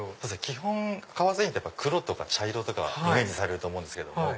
基本革製品って黒とか茶色とかイメージされると思うんです。